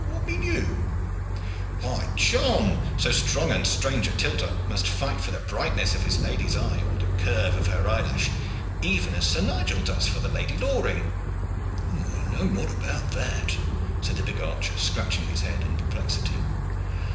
"What mean you?" "Why, John, so strong and strange a tilter must fight for the brightness of his lady's eyes or the curve of her eyelash, even as Sir Nigel does for the Lady Loring." "I know not about that," said the big archer, scratching his head in perplexity.